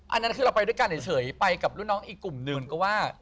อันนั้นคือเราไปด้วยกันเฉยไปกับรุ่นน้องอีกกลุ่มหนึ่งก็ว่า